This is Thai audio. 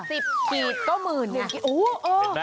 ละ๑๐๑๐กิก็๑๐๐๐๐นะ